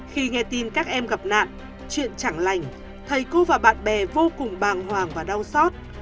khi nghe tin các em gặp nạn chuyện chẳng lành thầy cô và bạn bè vô cùng bàng hoàng và đau xót